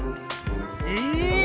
え！